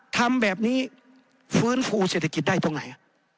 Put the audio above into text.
ทำแบบนี้ฟื้นฟูเศรษฐกิจได้ตรงไหน